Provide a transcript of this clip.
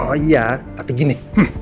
oh ya tapi gini